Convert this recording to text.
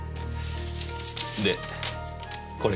でこれが。